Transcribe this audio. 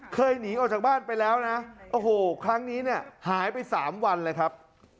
เคยหนีออกจากบ้านไปแล้วนะโอ้โหครั้งนี้เนี่ยหายไป๓วันเลยครับ